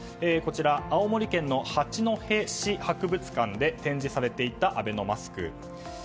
青森県の八戸市博物館で展示されていたアベノマスク。